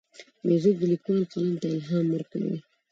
موزیک د لیکوال قلم ته الهام ورکوي.